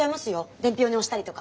伝票に押したりとか。